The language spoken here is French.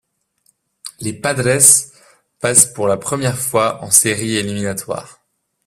Les Padres passent pour la première fois en séries éliminatoires.